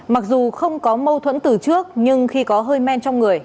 mặc dù không có mâu thuẫn từ trước nhưng khi có hơi men trong người